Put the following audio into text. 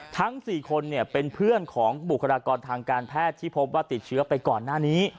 ทั้ง๔คนเป็นเพื่อนของบุคลากรทางการแพทย์ที่พบว่าติดเชื้อไปก่อนหน้านี้